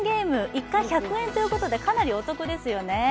１回１００円ということで、かなりお得ですよね。